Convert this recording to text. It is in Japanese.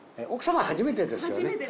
奥さまは初めてですよね？